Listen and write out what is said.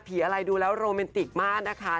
อะไรดูแล้วโรแมนติกมากนะคะ